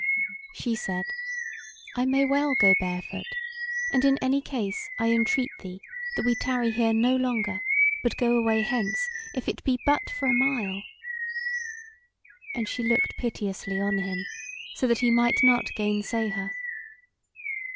She said: "I may well go barefoot. And in any case, I entreat thee that we tarry here no longer, but go away hence, if it be but for a mile." And she looked piteously on him, so that he might not gainsay her.